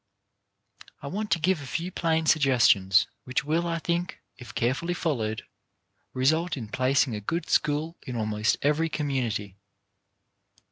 I want to give a few plain suggestions, which will, I think, if carefully followed, result in placing a good school in almost every community.